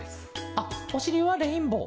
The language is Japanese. あっおしりはレインボー。